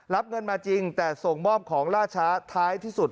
รับเงินมาจริงแต่ส่งมอบของล่าช้าท้ายที่สุด